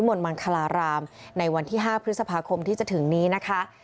แล้วก็วัดพระเชศตุพลวิมวลมันคลารามในวันที่ห้าพฤษภาคมที่จะถึงนี้นะคะ